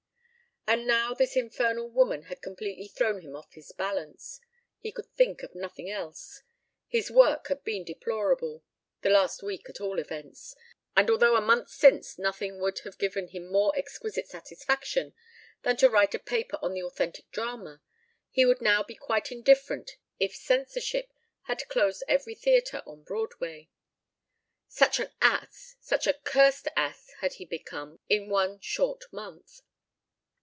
And now this infernal woman had completely thrown him off his balance. He could think of nothing else. His work had been deplorable the last week at all events and although a month since nothing would have given him more exquisite satisfaction than to write a paper on the authentic drama, he would now be quite indifferent if censorship had closed every theatre on Broadway. Such an ass, such a cursed ass had he become in one short month.